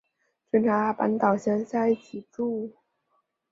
劝他搬到乡下一起住